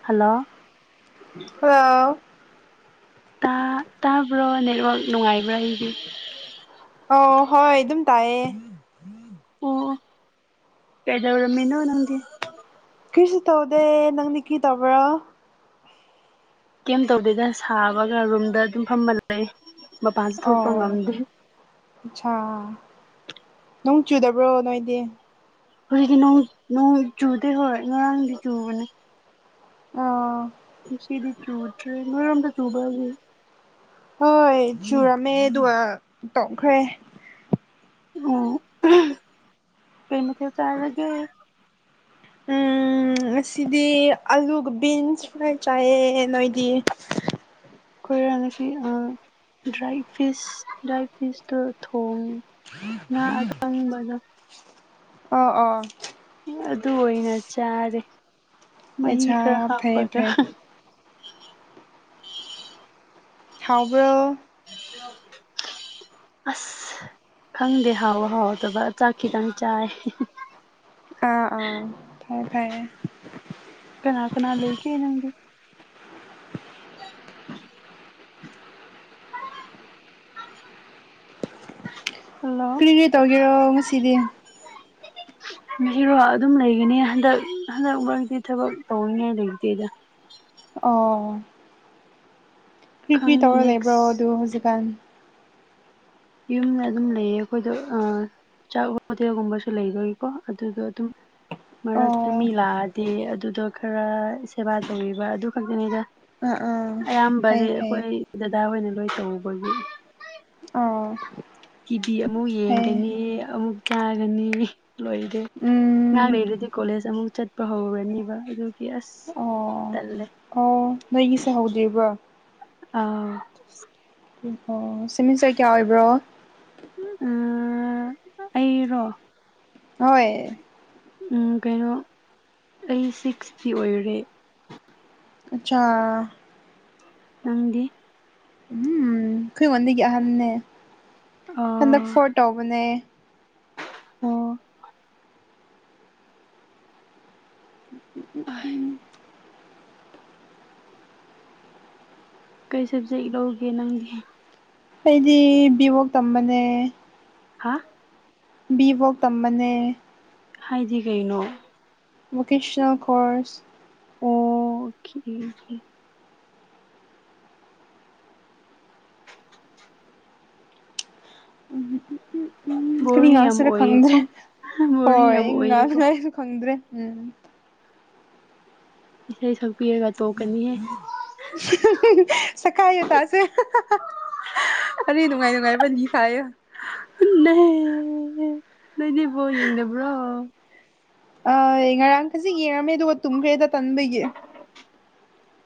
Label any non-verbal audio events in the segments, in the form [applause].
hello hello ꯇꯥꯕ꯭ꯔꯣ network ꯅꯨꯡꯉꯥꯏꯕ꯭ꯔꯥ ꯑꯩꯒꯤ ꯑꯣ ꯍꯣꯏ ꯑꯗꯨꯝ ꯇꯥꯏꯌꯦ ꯑꯣ ꯄꯦꯗꯔꯃꯤꯅꯣ ꯋꯥꯅꯗꯤ ꯀꯔꯤꯁꯨ ꯇꯧꯗꯦ ꯅꯪꯗꯤ ꯀꯔꯤ ꯇꯧꯕ꯭ꯔ ꯀꯩꯝ ꯇꯧꯗꯦꯗ ꯁꯥꯕꯒ ꯔꯨꯝꯗ ꯑꯗꯨꯝ ꯐꯝꯃ ꯂꯩ ꯃꯄꯥꯟꯁꯨ ꯊꯣꯛꯄ ꯑꯣ ꯉꯝꯗꯦ ꯑꯆꯥꯥ ꯅꯣꯡ ꯆꯨꯗꯕ꯭ꯔꯣ ꯅꯣꯏꯗꯤ ꯍꯧꯖꯤꯛꯇꯤ ꯅꯣꯡ ꯅꯣꯡ ꯆꯨꯗꯦ ꯍꯣꯏ ꯉꯔꯥꯡꯗꯤ ꯆꯨꯕꯅꯦ ꯑꯥ ꯉꯁꯤꯗꯤ ꯆꯨꯗꯔ꯭ꯤ ꯅꯣꯏꯔꯣꯝꯗ ꯆꯨꯕꯔ꯭ ꯍꯧꯖꯤꯛ ꯍꯣꯏ ꯆꯨꯔꯝꯃꯦ ꯑꯗꯨꯒ ꯇꯣꯛꯈ꯭ꯔꯦ ꯑꯣ ꯀꯩ ꯃꯊꯦꯜ ꯆꯔꯒꯦ ꯉꯁꯤꯗꯤ ꯑꯂꯨꯒ ꯕꯤꯟꯁ ꯐ꯭ꯔꯥꯏ ꯆꯥꯏꯌꯦ ꯅꯣꯏꯗꯤ ꯈꯣꯏꯔ ꯉꯁꯤ ꯑ ꯗ꯭ꯔꯥꯏ ꯐꯤꯁ ꯗ꯭ꯔꯥꯏ ꯐꯤꯁꯇꯣ ꯊꯣꯡ ꯉꯥ ꯑꯀꯪꯕꯗꯣ ꯑꯣ ꯑꯣ ꯑꯗꯨ ꯑꯣꯏꯅ ꯆꯥꯔꯦ ꯃꯍꯤ ꯑꯠꯁꯥ ꯈꯔ ꯐꯩꯌꯦ ꯍꯥꯞꯄꯒ ꯐꯩꯌꯦ ꯈꯥꯎꯕ꯭ꯔꯣ [inaudible] ꯑꯁ ꯈꯪꯗꯦ ꯍꯥꯎꯕ ꯍꯥꯎꯇꯕ ꯆꯥꯛ ꯈꯤꯇꯪ ꯆꯥꯏ ꯑꯥ ꯑꯥ ꯐꯔꯌꯦ ꯐꯔꯌꯦ ꯀꯅꯥ ꯀꯅꯥ ꯂꯩ ꯀ ꯏꯅꯗꯤ ꯀꯔꯤ ꯀꯔꯤ ꯇꯧꯒꯦꯔꯣ ꯉꯁꯤꯗꯤ ꯎ ꯃꯤꯒꯤꯔꯣ ꯑꯗꯨꯝ ꯂꯩꯒꯅꯤ ꯍꯟꯗꯛ ꯍꯟꯗꯛ ꯃꯔꯛꯇꯤ ꯊꯕꯛ ꯇꯧꯅꯤꯉꯥꯏ ꯂꯩꯇꯦꯗ ꯑꯣ ꯀ꯭ꯔꯤ ꯀ꯭ꯔꯤ ꯈꯪ ꯇꯧꯔ ꯂꯩꯕ꯭ꯔꯣ ꯅꯦꯛꯁ ꯑꯗꯨ ꯍꯧꯖꯤꯛꯀꯥꯟ ꯌꯨꯝꯗ ꯑꯗꯨꯝ ꯂꯩꯌꯦ ꯑꯩꯈꯣꯏꯗ ꯑ ꯆꯥꯛ ꯍꯣꯇꯦꯜꯒꯨꯝꯕꯁꯨ ꯂꯩꯕꯒꯤꯀꯣ ꯑꯗꯨꯗꯣ ꯑꯗꯨꯝ ꯃꯔꯛꯇ ꯑꯣ ꯃꯤ ꯂꯥꯛꯑꯗꯤ ꯑꯗꯨꯗꯣ ꯈꯔ ꯁꯦꯕꯥ ꯇꯧꯕꯤꯕ ꯑꯗꯨ ꯈꯛꯇꯅꯤꯗ ꯎꯝ ꯎ [unintelligible] ꯑꯌꯥꯝꯕꯗꯤ ꯑꯩꯈꯣꯏ ꯗꯗꯥ ꯍꯣꯏꯅ ꯂꯣꯏ ꯇꯧꯕꯒꯤ ꯑꯥ ꯇꯤꯕꯤ ꯑꯃꯨꯛ ꯐꯩꯌꯦ ꯌꯦꯡꯒꯅꯤ ꯑꯃꯨꯛ ꯆꯥꯒꯅꯤ ꯂꯣꯏꯔꯦ ꯑꯍꯥꯡ ꯎꯝ ꯂꯩꯔꯗꯤ ꯀꯣꯂꯦꯖ ꯑꯃꯨꯛ ꯆꯠꯄ ꯍꯧꯔꯅꯤꯕ ꯑꯗꯨꯒꯤ ꯑꯁ ꯑꯣ ꯇꯜꯂꯦ ꯑꯣ ꯅꯣꯏꯒꯤꯁꯦ ꯍꯧꯗꯔꯤꯕꯣ ꯑꯥ ꯑꯣ ꯑꯣ ꯁꯤꯃꯤꯁꯇꯔ ꯀꯌꯥ ꯑꯣꯏꯕ꯭ꯔꯣ ꯑꯩꯔꯣ ꯍꯣꯏ ꯎꯝ ꯀꯩꯅꯣ ꯑꯩ ꯁꯤꯛꯁꯇꯤ ꯑꯣꯏꯔꯦ ꯑꯆꯥ ꯅꯪꯗꯤ ꯎꯝ ꯑꯩꯈꯣꯏꯉꯣꯟꯗꯒꯤ ꯑꯍꯟꯅꯦ ꯍꯟꯗꯛ ꯑꯥ ꯐꯣꯔ ꯇꯧꯕꯅꯦ ꯑꯣ ꯎ ꯎ ꯎꯝ ꯀꯩ ꯁꯕꯖꯦꯛ ꯂꯧꯒꯦ ꯅꯪꯗꯤ ꯑꯩꯗꯤ ꯕꯤꯚꯣꯛ ꯇꯝꯕꯅꯦ ꯍꯥ ꯕꯤꯚꯣꯛ ꯇꯝꯕꯅꯦ ꯍꯥꯏꯗꯤ ꯀꯩꯅꯣ ꯚꯣꯀꯦꯁꯅꯦꯜ ꯀꯣꯔ꯭ꯁ ꯑꯣꯀꯦ [unintelligible] ꯎꯝ ꯀꯔꯤ ꯕꯣꯔꯤꯡ ꯌꯥꯝ ꯉꯁꯤꯔ ꯈꯪꯗ꯭ꯔꯦ ꯑꯣꯏꯌꯦꯀꯣ ꯕꯣꯔꯤꯡ ꯍꯣꯏ ꯌꯥꯝ ꯉꯥꯡ ꯑꯣꯏꯌꯦꯀꯣ ꯉꯥꯏꯁꯨ ꯈꯪꯗ꯭ꯔꯦ ꯎꯝ ꯏꯁꯩ ꯁꯛꯄꯤꯔꯒ ꯇꯣꯛꯀꯅꯤ ꯍꯦ ꯁꯀꯥꯏꯌꯣ ꯇꯥꯁꯦ ꯋꯥꯔꯤ ꯅꯨꯡꯉꯥꯏ ꯅꯨꯡꯉꯥꯏꯕ ꯂꯤꯈꯥꯏꯌꯦ ꯅꯍ ꯅꯣꯏꯗꯤ ꯕꯣꯜ ꯌꯦꯡꯗꯕ꯭ꯔꯣ ꯑꯣꯏ ꯉꯔꯥꯡ ꯈꯖꯤꯛ ꯌꯦꯡꯉꯝꯃꯦ ꯑꯗꯨꯒ ꯇꯨꯝꯈ꯭ꯔꯦꯗ ꯇꯟꯕꯒꯤ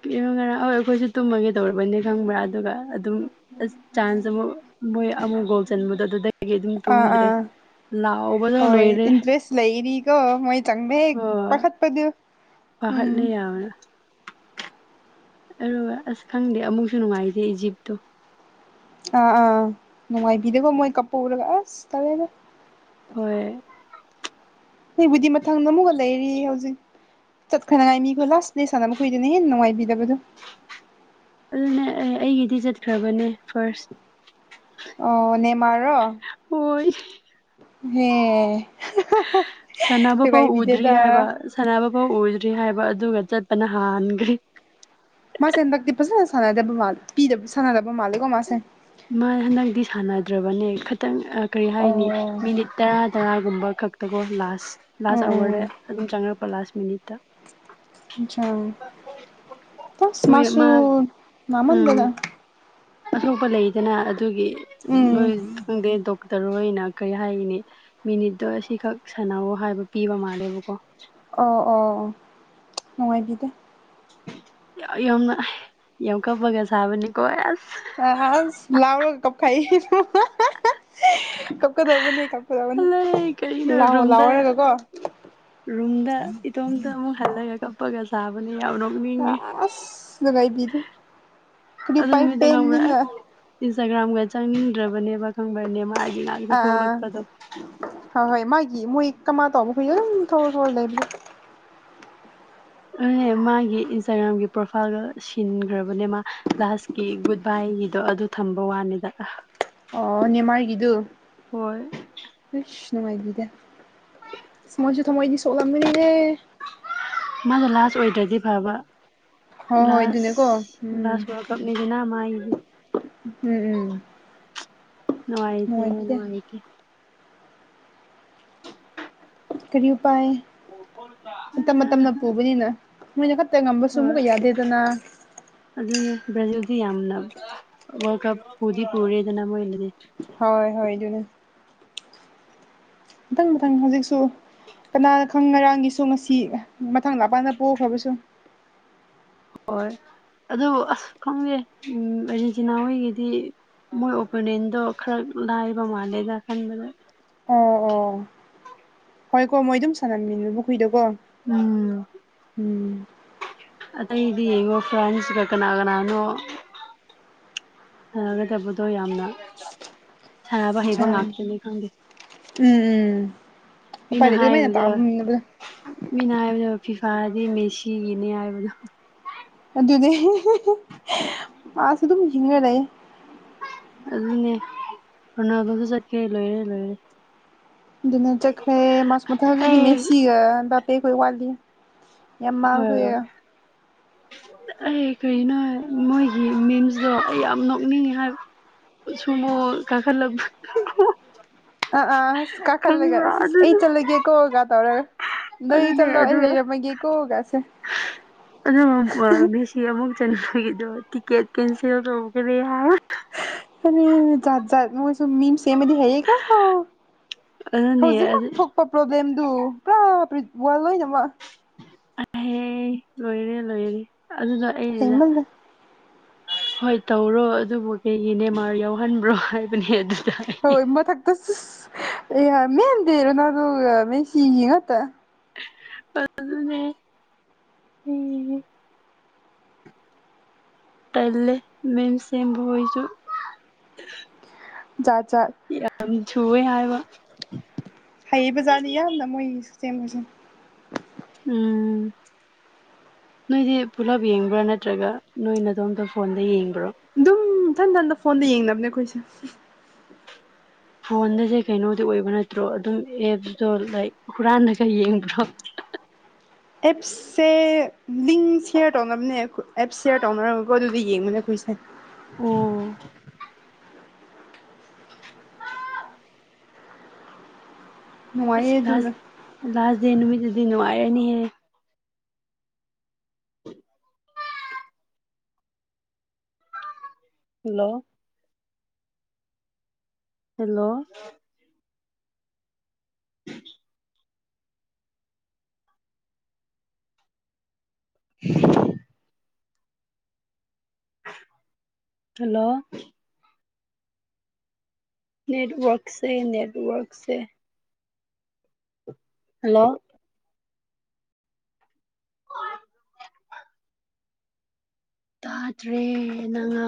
ꯀꯔꯤꯅꯣ ꯉꯔꯥꯡ ꯍꯣꯏ ꯑꯩꯈꯣꯏꯁꯨ ꯇꯨꯝꯃꯒꯦ ꯇꯧꯔꯕꯅꯤ ꯈꯪꯕ꯭ꯔꯥ ꯑꯗꯨꯒ ꯑꯗꯨꯝ ꯑꯁ ꯆꯥꯟꯁ ꯑꯃ ꯃꯣꯏ ꯑꯃꯨꯛ ꯒꯣꯜ ꯆꯟꯕꯗꯣ ꯑꯗꯨꯗꯒꯤ ꯑꯗꯨꯝ ꯑꯥ ꯇꯨꯝꯗ꯭ꯔꯦ ꯑꯥ ꯂꯛꯑꯣꯕ ꯍꯣꯏ ꯏꯟꯇ꯭ꯔꯦꯁ ꯂꯩꯔꯤꯀꯣ ꯃꯣꯏ ꯆꯪꯕ ꯍꯦꯛ ꯄꯥꯈꯠꯄꯗꯨ ꯄꯍꯠꯂꯦ ꯎꯝ ꯌꯥꯎꯅ ꯑꯗꯨꯒ ꯑꯁ ꯈꯪꯗꯦ ꯑꯃꯨꯛꯁꯨ ꯅꯨꯡꯉꯥꯏꯇꯦ ꯏꯖꯤꯞꯇꯣ ꯑꯥ ꯑꯥ ꯅꯨꯡꯉꯥꯏꯕꯤꯗꯒꯣ ꯃꯣꯏ ꯀꯞꯄꯧꯕꯗꯣ ꯑꯁ ꯇꯜꯂꯦꯗ ꯍꯣꯏ ꯑꯩꯕꯨꯗꯤ ꯃꯊꯪꯗ ꯑꯃꯨꯛꯀ ꯂꯩꯔꯤ ꯍꯧꯖꯤꯛ ꯆꯠꯈꯅꯉꯥꯏ ꯃꯤꯀꯣ ꯂꯥꯁ ꯄ꯭ꯂꯦ ꯁꯥꯟꯅꯕ ꯃꯈꯣꯏꯗꯨꯅ ꯍꯦꯟꯅ ꯅꯨꯡꯉꯥꯏꯕꯤꯗꯕꯗꯣ ꯑꯗꯨꯅꯦ ꯑꯩ ꯑꯩꯒꯤꯗꯤ ꯆꯠꯈ꯭ꯔꯕꯅꯦ ꯐꯥꯔꯁ ꯑꯣ ꯅꯦꯃꯥꯔ ꯔꯣ ꯍꯣꯏ ꯍꯦ ꯁꯥꯟꯅꯕ ꯐꯥꯎ ꯎꯗ꯭ꯔꯤ ꯅꯨꯡꯉꯥꯏꯕꯤꯗꯦꯗ ꯍꯥꯏꯕ ꯁꯥꯟꯅꯕ ꯐꯥꯎ ꯎꯗ꯭ꯔꯤ ꯍꯥꯏꯕ ꯑꯗꯨꯒ ꯆꯠꯄꯅ ꯍꯥꯟꯒ꯭ꯔꯦ ꯃꯥꯁꯦ ꯍꯟꯗꯛꯇꯤ ꯐꯖꯅ ꯁꯥꯟꯅꯗꯕ ꯃꯥꯂꯦ ꯄꯤ ꯁꯥꯟꯅꯗꯕ ꯃꯥꯜꯂꯦꯀꯣ ꯃꯥꯁꯦ ꯃꯥ ꯍꯟꯗꯛꯇꯤ ꯁꯥꯟꯅꯗ꯭ꯔꯕꯅꯦ ꯈꯤꯇꯪ ꯀꯔꯤ ꯍꯥꯏꯅꯤ ꯑꯣ ꯃꯤꯅꯤꯠ ꯇꯔꯥ ꯇꯔꯥꯒꯨꯝꯕ ꯈꯛ ꯇꯒꯣ ꯂꯥꯁ ꯂꯥꯁ ꯎꯝ ꯑꯋꯥꯔꯗ ꯑꯗꯨꯝ ꯆꯪꯉꯔꯛꯄ ꯂꯥꯁ ꯃꯤꯅꯤꯠꯇ ꯇꯁ ꯃꯣꯏ ꯃꯥꯁꯨ ꯃꯥ ꯅꯥꯃꯟꯗꯥꯅ ꯎꯝ ꯑꯁꯣꯛꯄ ꯂꯩꯗꯅ ꯑꯗꯨꯒꯤ ꯃꯣꯏ ꯎꯝ ꯈꯪꯗꯦ ꯗꯣꯛ ꯇꯔꯣꯅ ꯀꯔꯤ ꯍꯥꯏꯅꯤ ꯃꯤꯅꯤꯠꯇꯣ ꯑꯁꯤꯈꯛ ꯁꯥꯟꯅꯑꯣ ꯍꯥꯏꯕ ꯄꯤꯕ ꯃꯥꯜꯂꯦꯕꯀꯣ ꯑꯣ ꯑꯣ ꯑꯣ ꯅꯨꯡꯉꯥꯏꯕꯤꯗꯦ ꯌꯥ ꯌꯥꯝꯅ ꯀꯞꯄꯒ ꯁꯥꯕꯅꯤꯀꯣ ꯑꯁ ꯑꯁ ꯍ ꯂꯥꯎꯔꯒ ꯀꯞꯈꯥꯏ [unintelligible] ꯀꯞ ꯀꯞꯀꯗꯧꯕꯅꯤ ꯀꯞꯀꯗꯧꯕꯅꯤ ꯑꯂꯩ ꯀꯔꯤꯅꯣ ꯂꯥꯎ ꯔꯨꯝꯗ ꯂꯥꯎꯔꯒ ꯀꯣ ꯔꯨꯝꯗ ꯏꯇꯣꯝꯇ ꯑꯃꯨꯛ ꯍꯜꯂꯒ ꯀꯞꯄꯒ ꯁꯥꯕꯅ ꯌꯥꯎꯅꯣ ꯑꯁ ꯅꯨꯡꯉꯥꯏꯕꯤꯗꯤ ꯀꯔꯤ ꯑꯗꯨ ꯄꯥꯏ ꯅꯨꯃꯤꯠꯇ ꯈꯪꯕ꯭ꯔꯥ ꯐꯦꯅꯤꯉ ꯑꯁ ꯏꯟꯁꯇꯥꯒ꯭ꯔꯥꯝꯒ ꯆꯪꯅꯤꯡꯗ꯭ꯔꯕꯅꯦꯕ ꯈꯪꯕ꯭ꯔ ꯅꯦꯃꯥꯔꯒꯤ ꯉꯥꯛ ꯑꯥ ꯍꯣꯏ ꯍꯣꯏ ꯃꯥꯒꯤ ꯃꯣꯏ ꯀꯃꯥꯏ ꯇꯧꯕ ꯑꯩꯈꯣꯏ ꯑꯗꯨꯝ ꯊꯧꯔ ꯊꯧꯔ ꯂꯩꯕꯗꯣ ꯑꯗꯨꯅꯦ ꯃꯥꯒꯤ ꯏꯟꯁꯇꯥꯒ꯭ꯔꯥꯝꯒꯤ ꯄ꯭ꯔꯣꯐꯥꯏꯜꯒꯗꯣ ꯁꯤꯟꯒ꯭ꯔꯕꯅꯦ ꯃꯥ ꯂꯥꯁ ꯀꯤ ꯒꯨꯗ ꯕꯥꯏꯒꯤꯗꯣ ꯑꯗꯨ ꯊꯝꯕ ꯋꯥꯅꯤꯗ ꯑꯣ ꯅꯦꯃꯥꯔꯒꯤꯗꯨ ꯍꯣꯏ ꯏꯁ ꯅꯨꯡꯉꯥꯏꯕꯤꯗꯦ ꯃꯣꯏꯁꯨ ꯊꯃꯣꯏꯗꯤ ꯁꯣꯛꯂꯝꯒꯅꯤꯍꯦ ꯃꯥꯗꯣ ꯂꯥꯁ ꯑꯣꯏꯗ꯭ꯔꯗꯤ ꯐꯕ ꯍꯣꯏ ꯍꯣꯏ ꯂꯥꯁ ꯑꯗꯨꯅꯦꯀꯣ ꯎꯝ ꯂꯥꯁ ꯀꯞꯅꯤꯗꯅ ꯃꯥꯒꯤꯗꯤ ꯎꯝ ꯎꯝ [unintelligible] ꯅꯨꯡꯉꯥꯏꯇꯦ ꯅꯨꯡꯉꯥꯏꯕꯤꯗꯦ ꯅꯨꯡꯉꯥꯏꯇꯦ ꯀꯔꯤ ꯎꯄꯥꯏ ꯃꯇꯝ ꯑ ꯃꯇꯝꯅ ꯄꯨꯕꯅꯤꯅ ꯃꯣꯏꯅ ꯈꯛꯇ ꯉꯝꯕꯁꯨ ꯍꯣꯏ ꯑꯃꯨꯛꯀ ꯌꯥꯗꯦꯗꯅ ꯑꯗꯨꯅꯦ ꯕ꯭ꯔꯥꯖꯤꯜꯗꯤ ꯌꯥꯝꯅ ꯋꯥꯔꯜ ꯀꯞ ꯄꯨꯗꯤ ꯄꯨꯔꯦꯗꯅ ꯃꯣꯏꯅꯗꯤ ꯍꯣꯏ ꯍꯣꯏ ꯑꯗꯨꯅꯦ ꯃꯊꯪ ꯃꯊꯪ ꯍꯧꯖꯤꯛꯁꯨ ꯀꯅꯥꯅ ꯈꯪ ꯉꯔꯥꯡꯒꯤꯁꯨ ꯉꯁꯤ ꯃꯊꯡ ꯂꯥꯛꯄ ꯀꯥꯟꯗ ꯄꯣꯛꯈ꯭ꯔꯕꯁꯨ ꯍꯣꯏ ꯑꯗꯨꯕꯨ ꯑꯁ ꯈꯪꯗꯦ ꯎꯝ ꯑꯥꯔꯖꯦꯟꯇꯤꯅꯥ ꯍꯣꯏꯒꯤꯗꯤ ꯃꯣꯏ ꯑꯣꯄꯣꯅꯤꯟꯗꯣ ꯈꯔ ꯂꯥꯏꯕ ꯃꯥꯜꯂꯦꯗ ꯈꯟꯕꯗ ꯍꯣꯏ ꯀꯣ ꯃꯣꯏ ꯑꯗꯨꯝ ꯁꯥꯟꯅꯝꯃꯤꯅꯦꯕꯨ ꯍꯨꯏꯗꯀꯣ [unintelligible] ꯎꯝ ꯑꯇꯩꯗꯤ ꯌꯦꯡꯉꯣ ꯐ꯭ꯔꯥꯟꯁꯀ ꯀꯅꯥ ꯀꯅꯥꯅꯣ ꯐꯒꯗꯕꯗꯣ ꯌꯥꯝꯅ ꯁꯥꯟꯅꯕ ꯍꯩꯕ ꯑꯠꯆꯥ ꯉꯥꯛꯇꯅꯦ ꯈꯪꯗꯦ ꯎꯝ ꯎꯝ ꯎꯄꯥꯏ ꯃꯤꯅ ꯂꯩꯇꯦ ꯑꯗꯨꯃꯥꯏꯅ ꯍꯥꯏꯕꯗ ꯇꯥꯕꯅꯤꯅ ꯃꯤꯅ ꯍꯥꯏꯕꯗꯣ ꯐꯤꯐꯥꯗꯤ ꯃꯦꯁꯤꯒꯤꯅꯦ ꯍꯥꯏꯕꯗꯣ ꯑꯗꯨꯅꯦ [unintelligible] ꯃꯥꯁꯨ ꯑꯗꯨꯝ ꯍꯤꯡꯉꯒ ꯂꯩꯌꯦ ꯑꯗꯨꯅꯦ ꯔꯣꯅꯥꯂꯗꯣꯁꯨ ꯆꯠꯈꯔ꯭ꯦ ꯂꯣꯏꯔꯦ ꯂꯣꯏꯔꯦ ꯑꯗꯨꯅ ꯆꯈ꯭ꯔꯦ ꯃꯥꯁ ꯃꯊꯪꯗꯤ ꯑꯩ ꯃꯦꯁꯤꯒ ꯑꯝꯕꯥꯄꯦ ꯈꯣꯏ ꯋꯥꯠꯂꯤ ꯌꯥꯝꯃꯥꯜ ꯍꯣꯏ ꯍꯣꯏ ꯈꯣꯏꯒ ꯑꯩ ꯀꯔꯤꯅꯣ ꯃꯣꯏꯒꯤ ꯃꯤꯝꯁꯇꯣ ꯑꯩ ꯌꯥꯝ ꯅꯣꯛꯅꯤꯡꯉꯤ ꯍꯥꯏꯕ ꯁꯨꯝꯃꯨ ꯀꯥꯈꯠꯂꯛ [unintelligible] ꯑꯥ ꯑꯥ ꯑꯁ ꯀꯥꯈꯠꯂꯒ ꯑꯁꯁ ꯑꯩ ꯑꯗꯨꯗꯣ ꯆꯠꯂꯒꯦ ꯀꯣ ꯀ ꯇꯧꯔꯒ ꯅꯣꯏ ꯑꯗꯨꯅꯦ ꯆꯠꯂꯣ ꯑꯩ ꯂꯩꯔꯃꯒꯦ ꯀꯣ ꯀꯁꯦ ꯑꯗꯨ ꯈꯪꯕ꯭ꯔ ꯃꯦꯁꯤ ꯑꯃꯨꯛ ꯆꯟꯕꯒꯤꯗꯣ ꯇꯤꯀꯦꯠ ꯀꯦꯟꯁꯦꯜ ꯇꯧꯒ꯭ꯔꯦ ꯍꯥꯏꯌꯦ [unintelligible] ꯃꯤꯝ ꯁꯦꯃꯕꯗꯤ ꯍꯥꯏꯌꯦ ꯀꯣ ꯑꯗꯨꯅꯦ ꯍꯧꯖꯤꯛ ꯃꯛ ꯑꯗꯨ ꯊꯣꯛ ꯄ꯭ꯔꯣꯕ꯭ꯂꯦꯝꯗꯨ ꯄꯨꯔꯥ [unintelligible] ꯋꯥ ꯂꯣꯏꯅꯃꯛ [unintelligible] ꯍꯦ ꯂꯣꯏꯔꯦ ꯂꯣꯏꯔꯔꯦ ꯑꯗꯨꯅ ꯍꯦꯟꯃꯜ ꯂꯦ ꯍꯣꯏ ꯇꯧꯔꯣ ꯑꯗꯨꯕꯨ ꯀꯩꯒꯤ ꯅꯦꯃꯥꯔ ꯌꯥꯎꯍꯟꯕ꯭ꯔꯣ ꯍꯥꯏꯕꯅꯦ ꯑꯗꯨꯗ [unintelligible] [unintelligible] ꯑꯗꯨꯅꯦ [unintelligible] ꯇꯜꯂꯦ ꯃꯤꯝꯁ ꯁꯦꯝꯕ ꯍꯣꯏꯖꯨ ꯖꯥꯠ ꯖꯥꯠ ꯌꯥꯝ ꯊꯨꯋꯦ ꯍꯥꯏꯕ ꯍꯩꯕ ꯖꯥꯠꯅꯤ ꯌꯥꯝꯅ ꯃꯣꯏ ꯁꯦꯝꯕꯁꯦ ꯎꯝ ꯅꯣꯏꯗꯤ ꯄꯨꯂꯞ ꯌꯦꯡꯕ꯭ꯔꯥ ꯅꯠꯇ꯭ꯔꯒ ꯅꯣꯏꯅꯗꯣꯝꯇ ꯐꯣꯟꯗ ꯌꯦꯡꯕ꯭ꯔꯣ ꯎꯝ ꯏꯊꯟ ꯏꯊꯟꯇ ꯐꯣꯟꯗ ꯌꯦꯡꯅꯕꯅꯦ ꯑꯩꯈꯣꯏꯁꯦ ꯐꯣꯟꯗꯁꯦ ꯀꯩꯅꯣꯗꯤ ꯑꯣꯏꯕ ꯅꯠꯇ꯭ꯔꯣ ꯑꯗꯨꯝ ꯑꯦꯞꯇꯣ ꯂꯥꯏꯛ ꯍꯨꯔꯥꯜꯂꯒ ꯌꯦꯡꯕ꯭ꯔꯣ ꯑꯦꯞꯁ ꯁꯦ ꯂꯤꯡ ꯁꯦꯌꯔ ꯇꯧꯅꯕꯅꯦ ꯑꯦꯞ ꯁꯦꯌꯔ ꯇꯧꯅꯔꯒꯀꯣ ꯑꯗꯨꯗ ꯌꯦꯡꯕꯅꯦ ꯑꯩꯈꯣꯏꯁꯦ ꯑꯣ ꯅꯨꯡꯉꯥꯏꯌꯦ ꯑꯁ ꯑꯗꯨꯅ ꯂꯥꯁ ꯂꯥꯁ ꯗꯦ ꯅꯨꯃꯤꯠ ꯇꯨꯗꯤ ꯅꯨꯉꯥꯏꯔꯅꯤ ꯍꯦ ꯍꯜꯂꯣ ꯍꯦꯜꯂꯣ [unintelligible] ꯍꯜꯂꯣ ꯅꯦꯠꯋꯥꯔꯛꯁꯦ ꯅꯦꯠꯋꯥꯔꯛꯁꯦ ꯍꯜꯂꯣ ꯇꯥꯗ꯭ꯔꯦ ꯅꯪ ꯉꯥꯡ